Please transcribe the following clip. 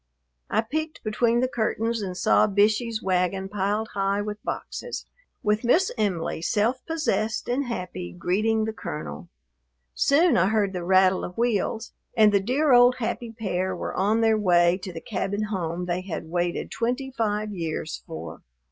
I peeked between the curtains, and saw Bishey's wagon piled high with boxes, with Miss Em'ly, self possessed and happy, greeting the colonel. Soon I heard the rattle of wheels, and the dear old happy pair were on their way to the cabin home they had waited twenty five years for.